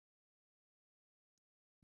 ایا زه باید خبرې وکړم؟